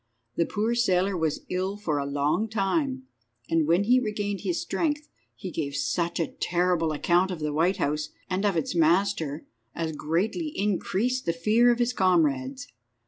The poor sailor was ill for a long time, and when he regained his strength he gave such a terrible account of the White House, and of its master, as greatly increased the fear of his comrades.